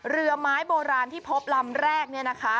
เรือไม้โบราณที่พบลำแรกเนี่ยนะคะ